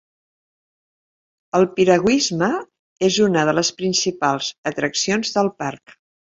El piragüisme és una de les principals atraccions del parc.